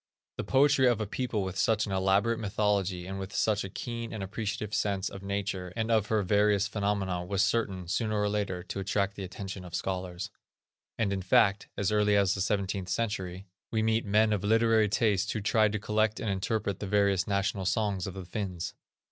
The poetry of a people with such an elaborate mythology and with such a keen and appreciative sense of nature and of her various phenomena, was certain, sooner or later, to attract the attention of scholars. And, in fact, as early as the seventeenth century, we meet men of literary tastes who tried to collect and interpret the various national songs of the Finns.